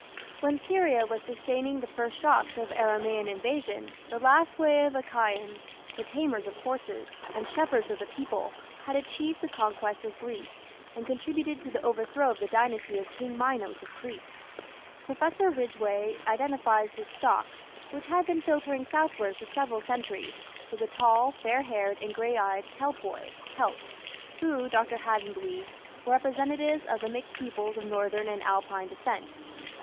When Syria was sustaining the first shocks of Aramaean invasion, the last wave of Achaeans, "the tamers of horses" and "shepherds of the people", had achieved the conquest of Greece, and contributed to the overthrow of the dynasty of King Minos of Crete. Professor Ridgeway identifies this stock, which had been filtering southward for several centuries, with the tall, fair haired, and grey eyed "Keltoi" (Celts), who, Dr. Haddon believes, were representatives of "the mixed peoples of northern and Alpine descent".